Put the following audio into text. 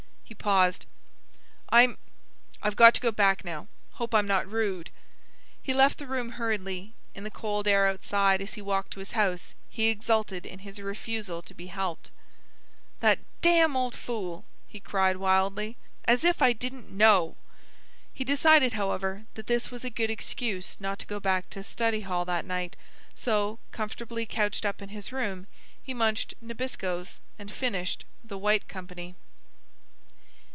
He paused. "I'm—I've got to go back now—hope I'm not rude—" He left the room hurriedly. In the cool air outside, as he walked to his house, he exulted in his refusal to be helped. "That damn old fool!" he cried wildly. "As if I didn't know!" He decided, however, that this was a good excuse not to go back to study hall that night, so, comfortably couched up in his room, he munched Nabiscos and finished "The White Company."